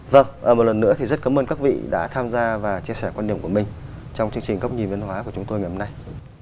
vâng một lần nữa thì rất cảm ơn các vị đã tham gia và chia sẻ quan điểm của mình trong chương trình góc nhìn văn hóa của chúng tôi ngày hôm nay